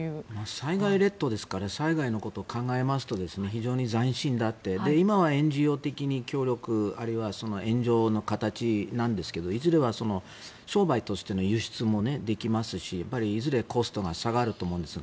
災害列島ですから災害のことを考えますと非常に斬新であって今はＮＧＯ的に協力あるいは援助の形なんですがいずれは商売としての輸出もできますしやっぱり、いずれコストが下がると思うんですが。